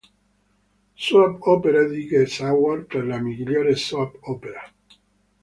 Soap Opera Digest Award per la migliore soap opera